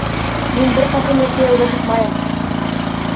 Мин бер ҡасан да кейәүгә сыҡмайым.